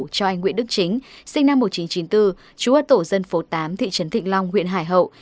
cho anh nguyễn đức chính sinh năm một nghìn chín trăm chín mươi bốn chú ở tổ dân phố tám thị trấn thịnh long huyện hải hậu